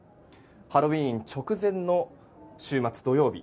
ハロウィーン直前の週末土曜日